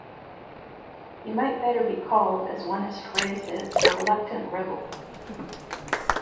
He might better be called, as one has phrased it, 'a reluctant rebel.